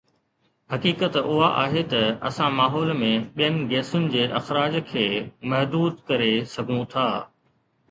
حقيقت اها آهي ته اسان ماحول ۾ ٻين گيسن جي اخراج کي محدود ڪري سگهون ٿا